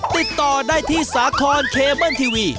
ติดต่อได้ที่สาครเคเบิ้ลทีวี